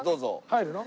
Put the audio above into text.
入るの？